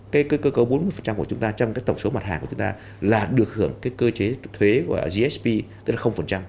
cơ cấu bốn mươi của chúng ta trong tổng số mặt hàng của chúng ta là được hưởng cơ chế thuế của gsp tức là